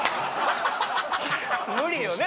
無理よね